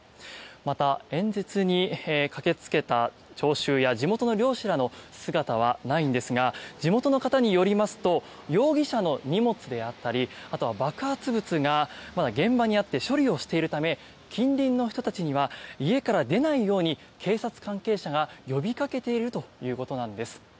また、演説に駆けつけた聴衆や地元の漁師らの姿はないんですが地元の方によりますと容疑者の荷物であったりあとは爆発物がまだ現場にあって処理しているため近隣の人たちには家から出ないように警察関係者が呼びかけているということです。